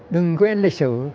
đừng quên lịch sử